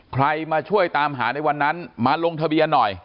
ใครมาช่วยตามหาในวันนั้นมาลงทะเบียนหน่อย